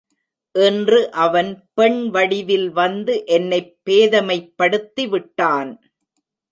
இன்று அவன் பெண்வடிவில் வந்து என்னைப் பேதைமைப்படுத்திவிட்டான்.